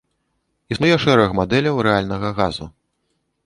Існуе шэраг мадэляў рэальнага газу.